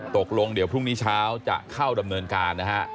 ตกลงเดี๋ยวพรุ่งนี้เช้าจะเข้าดำเนินการนะฮะ